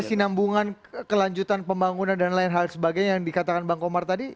kesinambungan kelanjutan pembangunan dan lain hal sebagainya yang dikatakan bang komar tadi